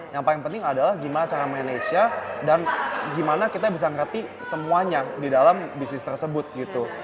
yang paling penting adalah gimana cara manage dan gimana kita bisa mengerti semuanya di dalam bisnis tersebut gitu